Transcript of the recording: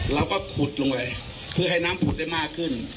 เราก็ขุดลงไปเพื่อให้น้ำผุดได้มากขึ้น